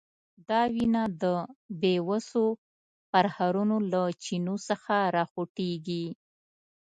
دا وینه د بیوسو پرهرونو له چینو څخه راخوټېږي.